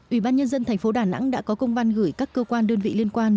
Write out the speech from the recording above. ủy ban nhân dân tp đà nẵng đã có công ban gửi các cơ quan đơn vị liên quan